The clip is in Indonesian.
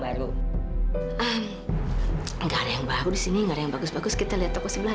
baru enggak ada yang bahu di sini nggak ada yang bagus bagus kita lihat toko sebelah